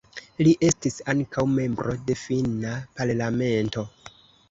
Li estis ankaŭ membro de Finna Parlamento.